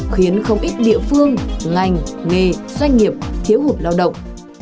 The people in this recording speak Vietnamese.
khiến không ít địa phương ngành nghề doanh nghiệp thiếu hụt lao động